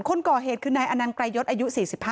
คนก่อเหตุคือนายอนันต์ไกรยศอายุ๔๕